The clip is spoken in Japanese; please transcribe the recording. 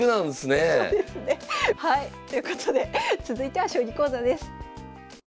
はいということで続いては将棋講座です。